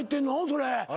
それ。